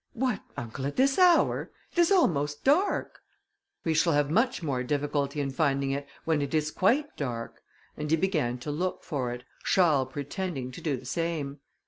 "What uncle, at this hour? it is almost dark." "We shall have much more difficulty in finding it when it is quite dark;" and he began to look for it, Charles pretending to do the same.